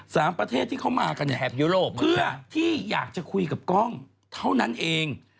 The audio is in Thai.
สามประเทศที่เขามากันเพื่อที่อยากจะคุยกับก้องเท่านั้นเอง